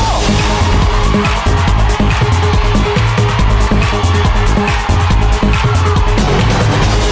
ไม่ออก